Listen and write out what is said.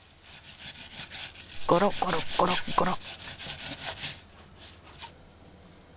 ゴロゴロゴロゴロ。